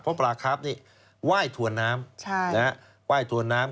เพราะปลาคล้าฟนี่ไหว้ถวนน้ำ